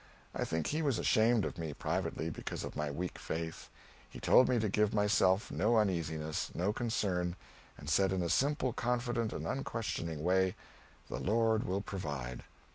I think he was ashamed of me, privately, because of my weak faith. He told me to give myself no uneasiness, no concern; and said in a simple, confident, and unquestioning way, "the Lord will provide."